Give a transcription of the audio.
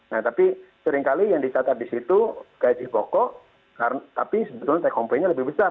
nah tapi seringkali yang dicatat di situ gaji pokok tapi sebetulnya take home pay nya lebih besar